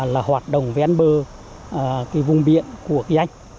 là hoạt động ven bờ vùng biển của kỳ anh